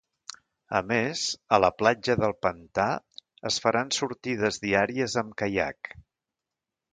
A més, a la platja del pantà es faran sortides diàries amb caiac.